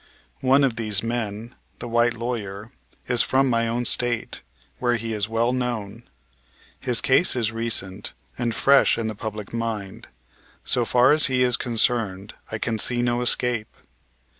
One of these men, the white lawyer, is from my own State, where he is well known. His case is recent, and fresh in the public mind. So far as he is concerned, I can see no escape.